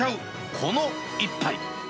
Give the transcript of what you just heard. この一杯。